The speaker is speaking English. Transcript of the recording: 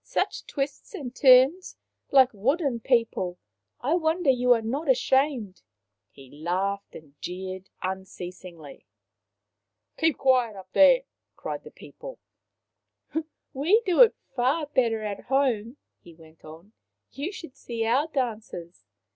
Such twists and turns ! Like wooden people ! I wonder you are not ashamed." He laughed and jeered unceas ingly. " Keep quiet up there !" cried the people. " We do it far better at home/' he went on. " You should see our dances